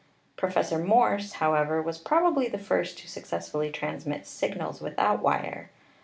Professor Morse, how ever, was probably the first to successfully transmit sig nals without wire.